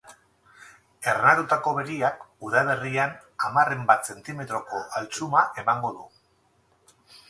Ernatutako begiak udaberrian hamarren bat zentimetroko altsuma emango du.